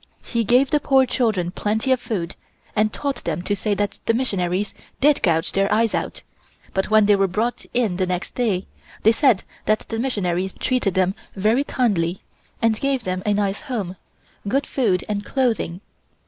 He gave the poor children plenty of food, and taught them to say that the missionaries did gouge their eyes out, but when they were brought in the next day they said that the missionaries treated them very kindly and gave them a nice home, good food and clothing.